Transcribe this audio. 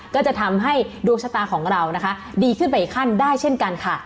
ก็จะทำให้ดวงชะตาของเรานะคะดีขึ้นไปอีกขั้นได้เช่นกันค่ะ